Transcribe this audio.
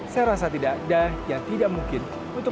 saya rasa tidak ada yang tidak mungkin untuk